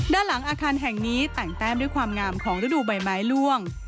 ด้านหลังอาคารแห่งนี้แต่งแต้มด้วยความงามของฤดูใบไม้ล่วง